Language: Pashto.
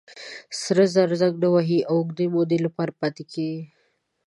سره زر زنګ نه وهي او د اوږدې مودې لپاره پاتې کېږي.